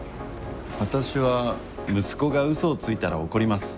わたしは息子が嘘をついたら怒ります。